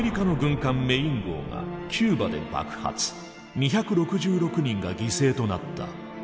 ２６６人が犠牲となった。